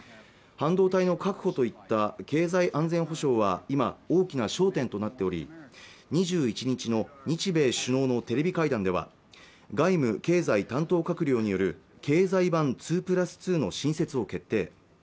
半導体の確保といった経済安全保障は今大きな焦点となっており２１日の日米首脳のテレビ会談では外務経済担当閣僚による経済版２＋２の新設を決定